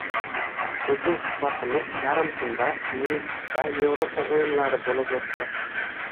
Bizning suhbatimiz yarim tunda, Minskda Evropa o'yinlari bo'lib o'tdi